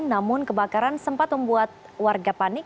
namun kebakaran sempat membuat warga panik